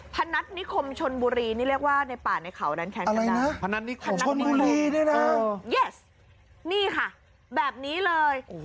พนัสนิคมชนบุรีนี่เรียกว่าในป่าในเขาอะไรนะพนัสนิคมชนบุรีใช่นี่ค่ะแบบนี้เลย